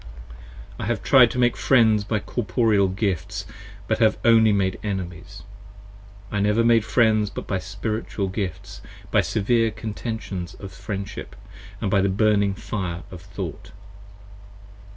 15 I have tried to make friends by corporeal gifts but have only Made enemies: I never made friends but by spiritual gifts, By severe contentions of friendship & the burning fire of thought.